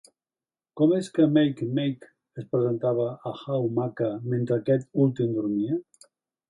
Com és que Make-Make es presentava a Hau-Maka mentre aquest últim dormia?